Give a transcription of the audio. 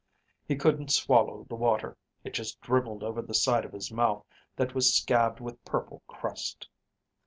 He couldn't swallow the water. It just dribbled over the side of his mouth that was scabbed with purple crust.